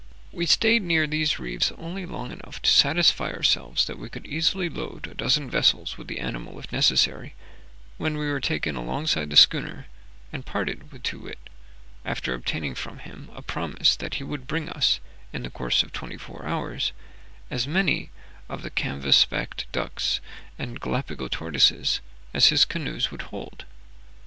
We stayed near these reefs only long enough to satisfy ourselves that we could easily load a dozen vessels with the animal if necessary, when we were taken alongside the schooner, and parted with Too wit, after obtaining from him a promise that he would bring us, in the course of twenty four hours, as many of the canvass back ducks and Gallipago tortoises as his canoes would hold.